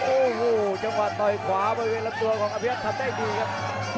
โอ้โหจังหวะต่อยขวาบริเวณลำตัวของอภิรักษ์ทำได้ดีครับ